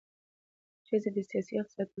ښځې د سیاسي، اقتصادي او ټولنیز ژوند برخه شوه.